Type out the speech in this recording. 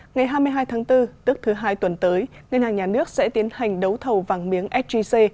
ngày hai mươi hai tháng bốn tức thứ hai tuần tới ngân hàng nhà nước sẽ tiến hành đấu thầu vàng miếng sgc